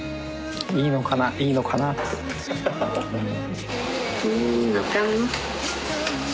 いいのかないいのかなってうん。